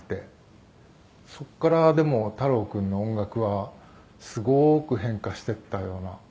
「そこからでも太郎君の音楽はすごく変化していったような」